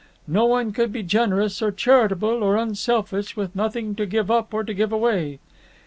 No one could be generous, or charitable, or unselfish, with nothing to give up or to give away.